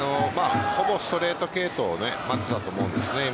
ほぼストレート系統を待っていたと思うんです。